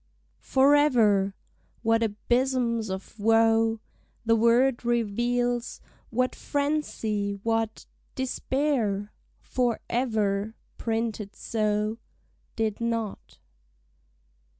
Forever! What abysms of woe The word reveals, what frenzy, what Despair! For ever (printed so) Did not.